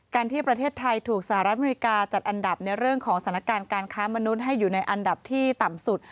ที่ประเทศไทยถูกสหรัฐอเมริกาจัดอันดับในเรื่องของสถานการณ์การค้ามนุษย์ให้อยู่ในอันดับที่ต่ำสุด